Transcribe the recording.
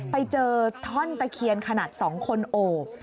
ไปเจอท่อนตะเคียนขนาด๒คนโอบ